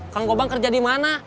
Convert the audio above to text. kang gobang kerja di mana